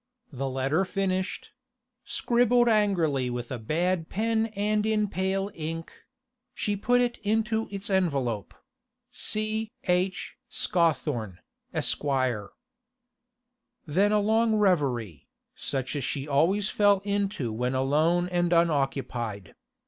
The letter finished—scribbled angrily with a bad pen and in pale ink—she put it into its envelope—'C. H. Scawthorne, Esq.' Then a long reverie, such as she always fell into when alone and unoccupied.